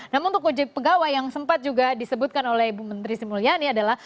namun untuk uji pegawai yang sempat juga disebutkan oleh bu menteri sri mulyani adalah